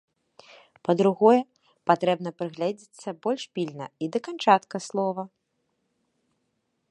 Па-другое, патрэбна прыгледзецца больш пільна і да канчатка слова.